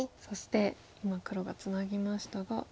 そして今黒がツナぎましたが。